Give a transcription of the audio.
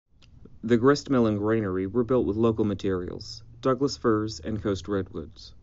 The gristmill and granary were built with local materials, Douglas firs and coast redwoods.